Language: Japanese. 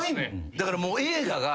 だからもう映画が。